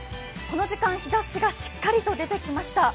この時間、日ざしがしっかりと出てきました。